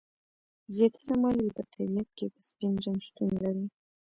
زیاتره مالګې په طبیعت کې په سپین رنګ شتون لري.